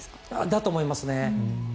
だと思いますね。